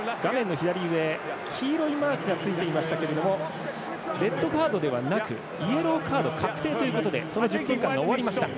左上黄色いマークがついていましたがレッドカードではなくイエローカード確定ということで１０分間が終わりました。